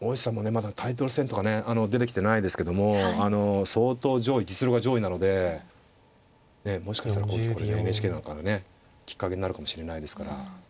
まだタイトル戦とかね出てきてないですけども相当実力は上位なのでもしかしたら今期これねＮＨＫなんかでねきっかけになるかもしれないですから。